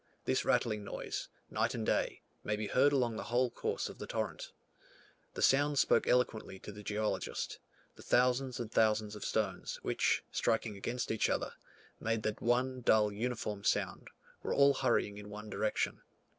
This rattling noise, night and day, may be heard along the whole course of the torrent. The sound spoke eloquently to the geologist; the thousands and thousands of stones, which, striking against each other, made the one dull uniform sound, were all hurrying in one direction.